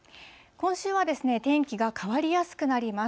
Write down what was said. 今週は天気が変わりやすくなります。